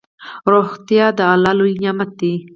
روغتيا دالله لوي نعمت ده